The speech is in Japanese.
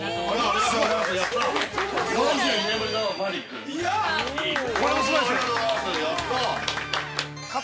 ありがとうございます、やったあ。